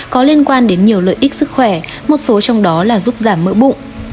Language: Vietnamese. có liên quan đến nhiều lợi ích sức khỏe một số trong đó là giúp giảm mỡ bụng